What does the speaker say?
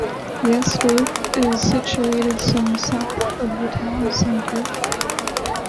Jastorf is situated some south of the town center.